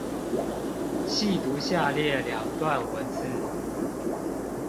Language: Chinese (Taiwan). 細讀下列兩段文字